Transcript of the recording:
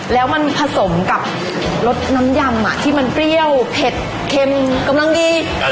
แล้วมันผสมกับรสน้ำยำที่มันเปรี้ยวเผ็ดเค็มกำลังดี